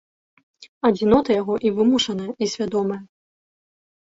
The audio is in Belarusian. Адзінота яго і вымушаная, і свядомая.